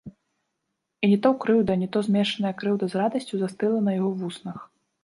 І не то крыўда, не то змешаная крыўда з радасцю застыла на яго вуснах.